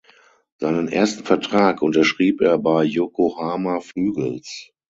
Seinen ersten Vertrag unterschrieb bei Yokohama Flügels.